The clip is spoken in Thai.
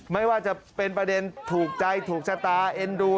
ไม่ว่าจะเป็นประเด็นถูกใจถูกชะตาเอ็นดู